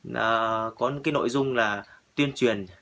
có cái nội dung là tuyên truyền